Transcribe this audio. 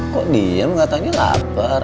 kok diam katanya lapar